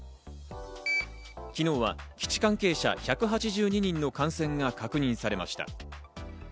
昨日は基地関係者１８２人の感染が確認されました。